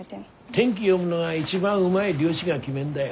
天気読むのが一番うまい漁師が決めんだよ。